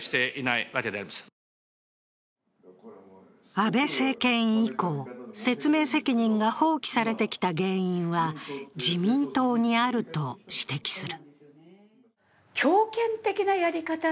安倍政権以降、説明責任が放棄されてきた原因は自民党にあると指摘する。